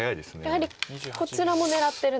やはりこちらも狙ってるんですね。